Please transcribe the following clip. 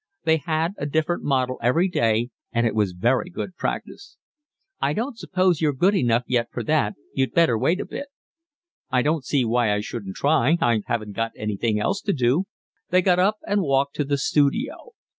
They had a different model every day, and it was very good practice. "I don't suppose you're good enough yet for that. You'd better wait a bit." "I don't see why I shouldn't try. I haven't got anything else to do." They got up and walked to the studio.